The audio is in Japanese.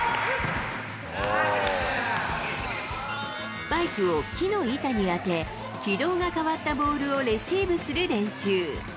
スパイクを木の板に当て、軌道が変わったボールをレシーブする練習。